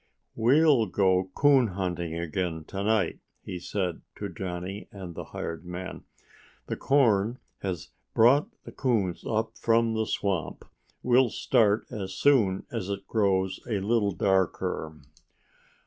"We'll go coon hunting again to night," he said to Johnnie and the hired man. "The corn has brought the coons up from the swamp. We'll start as soon as it grows a little darker."